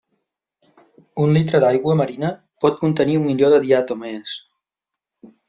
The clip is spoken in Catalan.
Un litre d'aigua marina pot contenir un milió de diatomees.